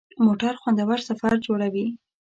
موټر خوندور سفر جوړوي.